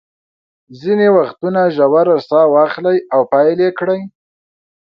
ځینې وختونه ژوره ساه واخلئ او پیل یې کړئ.